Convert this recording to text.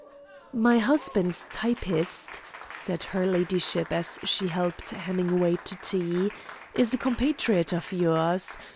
"My husband's typist," said her ladyship as she helped Hemingway to tea, "is a copatriot of yours.